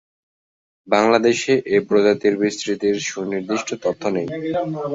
বাংলাদেশে এ প্রজাতির বিস্তৃতির সুনির্দিষ্ট তথ্য নেই।